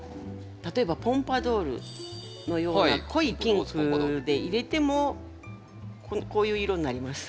例えばポンパドゥールのような濃いピンクでいれてもこういう色になります。